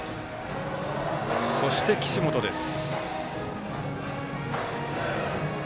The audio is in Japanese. そして、岸本です。